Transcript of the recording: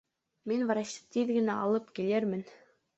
Мин врачты тиҙ генә алып килермен